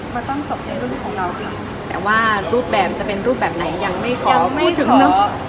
มันต้องจบในรูปของเราค่ะแต่ว่ารูปแบบจะเป็นรูปแบบไหนยังไม่ถึงเนอะ